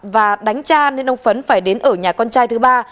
và đánh cha nên ông phấn phải đến ở nhà con trai thứ ba